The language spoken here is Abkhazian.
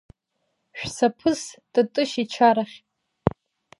Шәсаԥыс Тытышь ичарахь!